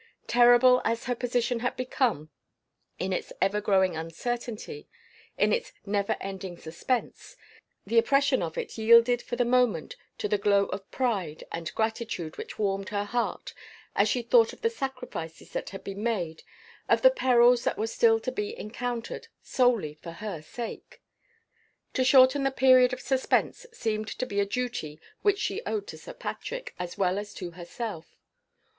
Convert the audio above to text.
Terrible as her position had become in its ever growing uncertainty, in its never ending suspense, the oppression of it yielded for the moment to the glow of pride and gratitude which warmed her heart, as she thought of the sacrifices that had been made, of the perils that were still to be encountered, solely for her sake. To shorten the period of suspense seemed to be a duty which she owed to Sir Patrick, as well as to herself.